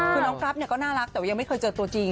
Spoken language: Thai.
คือน้องกรัฟเนี่ยก็น่ารักแต่ว่ายังไม่เคยเจอตัวจริง